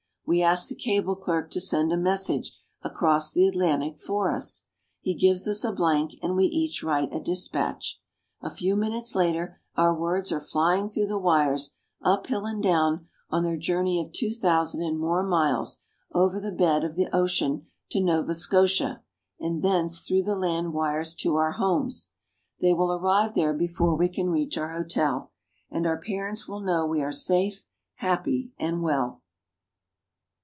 We ask the cable clerk to send a message across the Atlantic for us. He gives us a blank, and we each write a dispatch. A few minutes later our words are flying through the wires, up hill and down, on their journey of two thousand and more miles over the bed of the ocean to Nova Scotia, and thence through the land wires to our homes. They will arrive there before we can reach our hotel, and our parents will know we are safe, happy, and well.